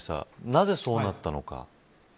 なぜそうなったのか。